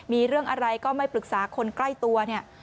มีเรื่องอะไรก็ไม่ปรึกษาคนใกล้ตัวเนี่ย